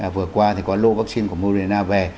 vừa qua thì có lô vaccine của moderna về